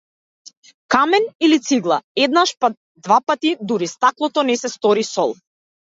Камен или цигла, еднаш, па двапати, дури стаклото не се стори сол.